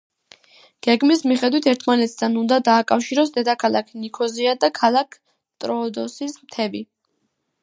გეგმის მიხედვით ერთმანეთთან უნდა დააკავშიროს დედაქალაქ ნიქოზია და ქალაქ ტროოდოსის მთები.